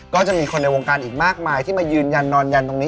ก็จะมีคนในวงการอีกมากมายที่มายืนยันนอนยันตรงนี้